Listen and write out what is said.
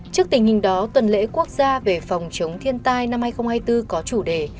trước tình hình đó tuần lễ quốc gia về phòng chống thiên tai năm hai nghìn hai mươi bốn có chủ đề